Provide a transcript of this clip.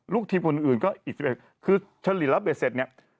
ลูกทีมคนอื่นก็๑๑คือชะลิลับเบสเซต